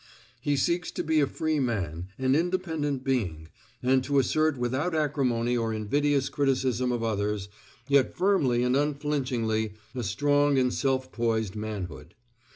He seeks to be a free man, an independent being, and to assert without acrimony or invidious criticism of others, yet firmly and unflinchingly, a strong and self poised manhood.